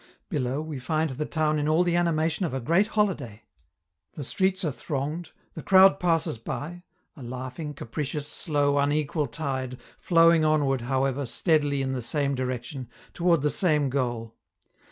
Below, we find the town in all the animation of a great holiday. The streets are thronged; the crowd passes by a laughing, capricious, slow, unequal tide, flowing onward, however, steadily in the same direction, toward the same goal.